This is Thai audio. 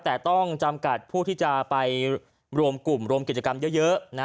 แต่ต้องจำกัดผู้ที่จะไปรวมกลุ่มรวมกิจกรรมเยอะนะ